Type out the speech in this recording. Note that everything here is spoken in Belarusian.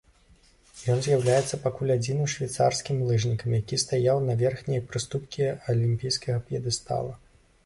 Ён з'яўляецца пакуль адзіным швейцарскім лыжнікам, які стаяў на верхняй прыступкі алімпійскага п'едэстала.